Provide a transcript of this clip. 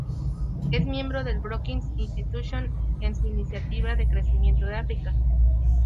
Es miembro del Brookings Institution, en su Iniciativa de Crecimiento de África.